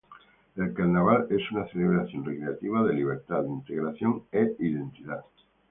El carnaval es una celebración recreativa de libertad, integración e identidad.